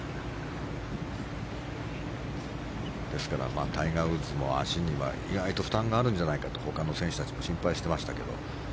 ですからタイガー・ウッズも足には、意外と負担があるんじゃないかと他の選手たちも心配していましたけど。